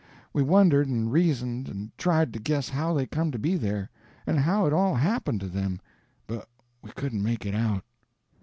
We wondered, and reasoned, and tried to guess how they come to be there, and how it all happened to them, but we couldn't make it out.